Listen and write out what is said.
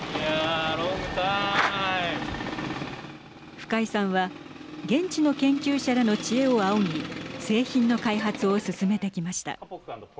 深井さんは現地の研究者らの知恵を仰ぎ製品の開発を進めてきました。